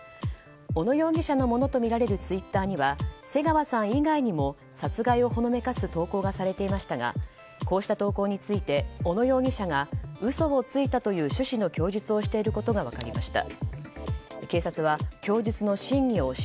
小野容疑者のものとみられるツイッターには瀬川さん以外にも殺害をほのめかす投稿がされていましたがこうした投稿について小野容疑者が嘘をついたという趣旨の供述をしていることが分かりました。